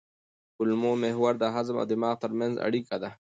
کولمو محور د هضم او دماغ ترمنځ اړیکه ده.